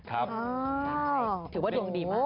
ถือว่าดวงดีมาก